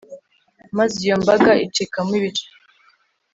Maze iyo mbaga icikamo ibice